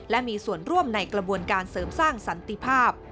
และมีส่วนร่วมในกระบวนการเสริมสร้างสันติภาพ